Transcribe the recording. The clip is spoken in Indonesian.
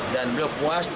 dan beliau puas